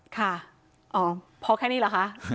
ค่ะอ๋อพอแค่นี้เหรอคะ